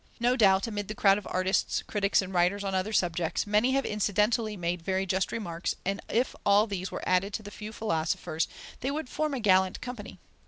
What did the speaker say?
No doubt, amid the crowd of artists, critics, and writers on other subjects, many have incidentally made very just remarks, and if all these were added to the few philosophers, they would form a gallant company.